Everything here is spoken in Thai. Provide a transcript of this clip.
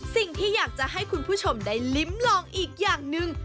สิ่งที่อยากจะให้คุณผู้ชมได้ลิ้มลองอีกอย่างหนึ่ง